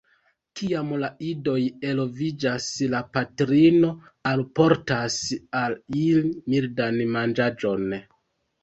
Kiam la idoj eloviĝas la patrino alportas al ili mildan manĝaĵon.